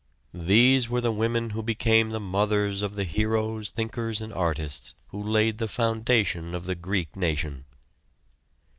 These were the women who became the mothers of the heroes, thinkers and artists, who laid the foundation of the Greek nation.